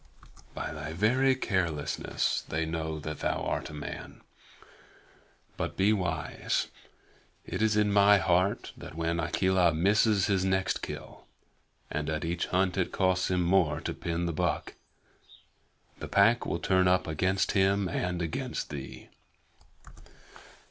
By thy very carelessness they know that thou art a man. But be wise. It is in my heart that when Akela misses his next kill and at each hunt it costs him more to pin the buck the Pack will turn against him and against thee.